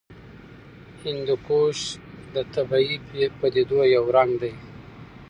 هندوکش د طبیعي پدیدو یو رنګ دی.